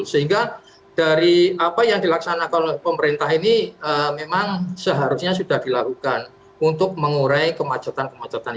sehingga dari apa yang dilaksanakan pemerintah ini memang seharusnya sudah dilakukan untuk mengurai kemacetan kemacetan